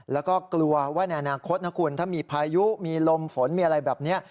แล้วก็กลัวว่าในอนาคตนะคุณถ้ามีพายุมีลมฝนมีอะไรแบบนี้